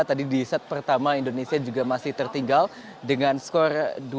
jadi di set pertama indonesia juga masih tertinggal dengan skor dua puluh lima dua puluh